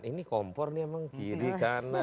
ini kompor ini emang kiri kanan